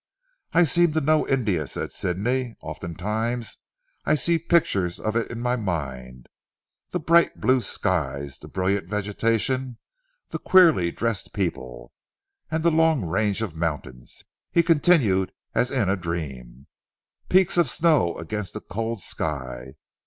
"I seem to know India," said Sidney, "often times I see pictures of in it my mind. The bright blue skies, the brilliant vegetation, the queerly dressed people. And the long range of mountains," he continued as in a dream, "peaks of snow against a cold sky.